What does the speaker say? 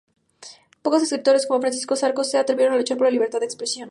Pocos escritores, como Francisco Zarco, se atrevieron a luchar por la libertad de expresión.